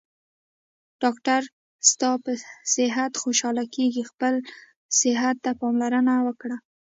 ډاکټر ستاپه صحت خوشحاله کیږي خپل صحته پاملرنه وکړه